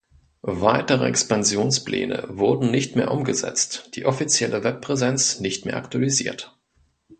Weitere Expansionspläne wurden nicht mehr umgesetzt, die offizielle Webpräsenz nicht mehr aktualisiert.